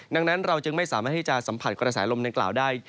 ดังนั้นเราจึงไม่สามารถที่จะสัมผัสกระแสลมดังกล่าวได้